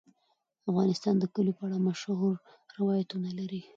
افغانستان د کلیو په اړه مشهور روایتونه لري.